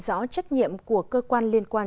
rõ trách nhiệm của cơ quan liên quan